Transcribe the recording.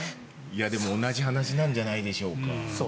でも同じ話なんじゃないでしょうか。